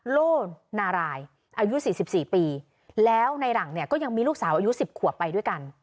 โลนารายอายุสี่สิบสี่ปีแล้วในหลังเนี่ยก็ยังมีลูกสาวอายุสิบขัวไปด้วยกัน